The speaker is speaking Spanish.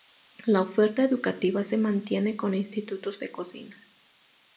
La oferta educativa se mantiene con institutos de cocina.